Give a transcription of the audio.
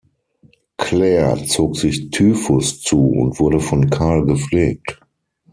Claire zog sich Typhus zu und wurde von Karl gepflegt.